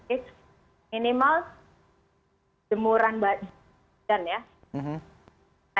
it's minimal jemuran mbak yuni kan ya